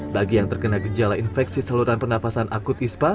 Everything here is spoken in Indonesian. bagi yang terkena gejala infeksi saluran pernafasan akut ispa